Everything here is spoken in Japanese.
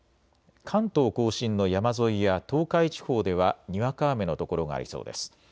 関東甲信の山沿いや東海地方ではにわか雨の所がありそうです。